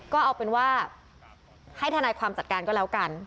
ก็เอาเป็นว่าให้ทนายความจัดการก็แล้วกัน